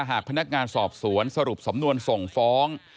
หากพนักงานสอบสวนสรุปสำนวนส่งฟ้อง